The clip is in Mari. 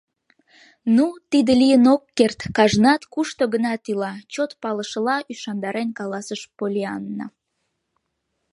Ну, тиде лийын ок керт, кажнат кушто-гынат ила, — чот палышыла ӱшандарен каласыш Поллианна.